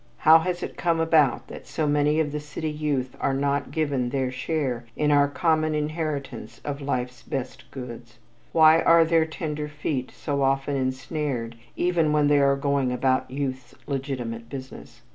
How has it come about that so many of the city youth are not given their share in our common inheritance of life's best goods? Why are their tender feet so often ensnared even when they are going about youth's legitimate business?